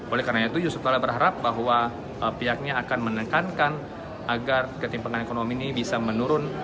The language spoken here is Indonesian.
oleh karena itu yusuf kala berharap bahwa pihaknya akan menekankan agar ketimpangan ekonomi ini bisa menurun